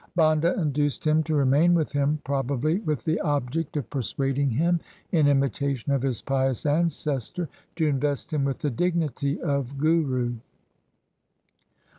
Banda induced him to remain with him, probably with the object of persuading him, in imitation of his pious ancestor, to invest him with the dignity of Guru.